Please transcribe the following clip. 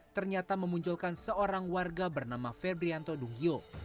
ternyata memunculkan seorang warga bernama febrianto dunggio